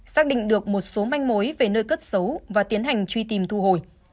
xác định được một số manh mối về nơi cất xấu và tiến hành truy tìm thu hồi